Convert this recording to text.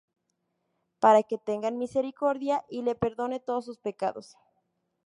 Para que tenga misericordia, y le perdone todos sus pecados.